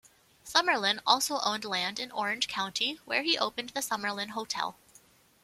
Summerlin also owned land in Orange County where he opened the Summerlin Hotel.